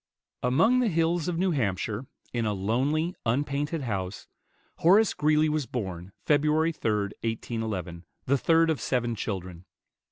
Among the hills of New Hampshire, in a lonely, unpainted house, Horace Greeley was born, Feb. 3, 1811, the third of seven children.